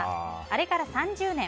あれから３０年。